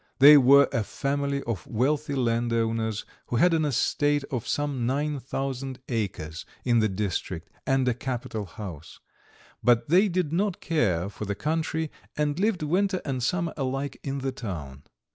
They were a family of wealthy landowners who had an estate of some nine thousand acres in the district and a capital house, but they did not care for the country, and lived winter and summer alike in the town.